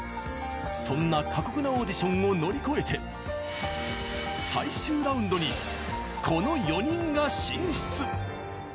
そんな過酷なオーディションを乗り越えて最終ラウンドに、この４人が進出。